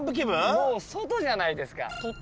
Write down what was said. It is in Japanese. もう外じゃないですか。